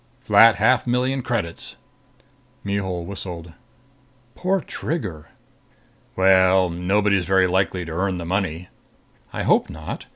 "Flat half million credits." Mihul whistled. "Poor Trigger!" "Well, nobody's very likely to earn the money." "I hope not.